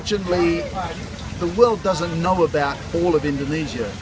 dunia tidak tahu tentang seluruh indonesia